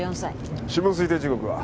死亡推定時刻は？